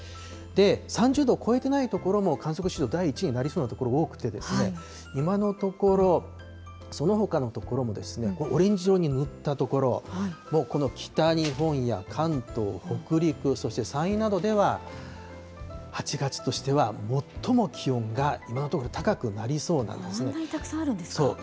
３０度を超えてない所も観測史上第１位になりそうな所多くて、今のところ、そのほかの所もこれ、オレンジ色に塗った所、もうこの北日本や関東、北陸、そして山陰などでは、８月としては最も気温が、今のところ高くなこんなにたくさんあるんですそう。